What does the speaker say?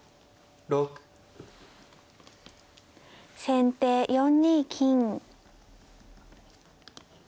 先手４二金。